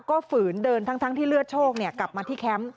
ก็ฝืนเดินทั้งที่เลือดโชคกลับมาที่แคมป์